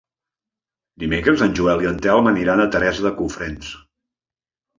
Dimecres en Joel i en Telm aniran a Teresa de Cofrents.